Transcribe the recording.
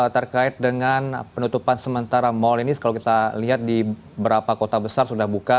terkait dengan penutupan sementara mal ini kalau kita lihat di beberapa kota besar sudah buka